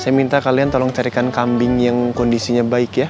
saya minta kalian tolong carikan kambing yang kondisinya baik ya